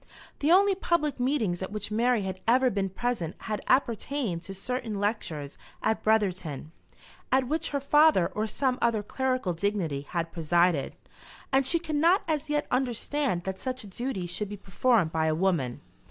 The only public meetings at which Mary had ever been present had appertained to certain lectures at Brotherton, at which her father or some other clerical dignity had presided, and she could not as yet understand that such a duty should be performed by a woman.